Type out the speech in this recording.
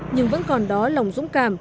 nhưng vẫn còn đó lòng dũng cảm